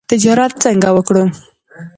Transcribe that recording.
تجارت څنګه وکړو؟